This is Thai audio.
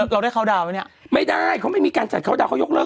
เราได้เข้าดาวนไหมเนี่ยไม่ได้เขาไม่มีการจัดเข้าดาวนเขายกเลิ